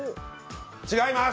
違います！